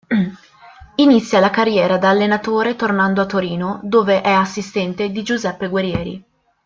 Inizia la carriera da allenatore tornando a Torino dove è assistente di Giuseppe Guerrieri.